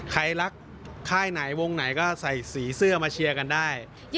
ใครรักค่ายไหนวงไหนก็ใส่สีเสื้อมาเชียร์กันได้